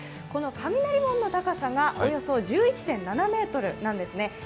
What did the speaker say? この雷門の高さが、およそ１１．７ｍなんですね。